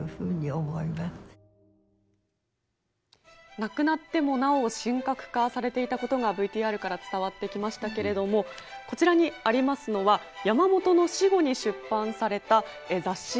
亡くなってもなお神格化されていたことがＶＴＲから伝わってきましたけれどもこちらにありますのは山本の死後に出版された雑誌やアルバムです。